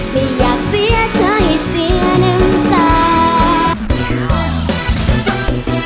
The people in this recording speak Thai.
ไม่อยากเสียเธอให้เสียหนึ่งตา